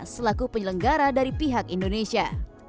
selaku penyelenggara dari pihak indonesia